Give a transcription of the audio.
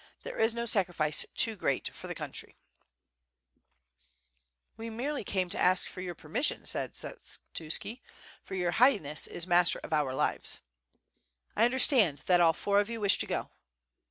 There is no sacrifice too great for the country/' "We merely came to ask for your permission," said Skshe tuski, "for your Highness is master of our lives." "I understand that alL four of you wish to go."